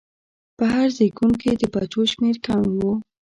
په هر زېږون کې د بچو شمېر کم و.